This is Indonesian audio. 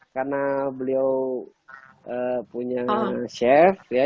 karena beliau punya chef ya